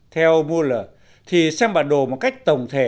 theo buller thì xem bản đồ một cách tổng thể